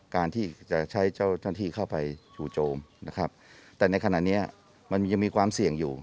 การที่จะใช้เจ้าหน้าที่เข้าไปชูโจมนะครับแต่ในขณะเนี้ยมันยังมีความเสี่ยงอยู่